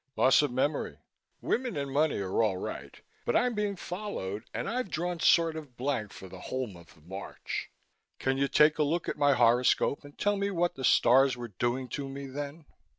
"Loss of memory. Women and money are all right but I'm being followed and I've drawn sort of blank for the whole month of March. Can you take a look at my horoscope and tell me what the stars were doing to me then?"